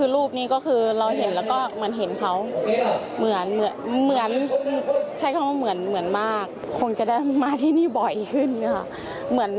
รูปนี้พิสิกษาที่เห็นเหมือนเขามากค่อนขึ้นมาที่นี่บ่อยขึ้น